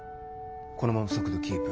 このまま速度キープ。